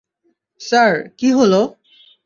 Sir, কী হলো?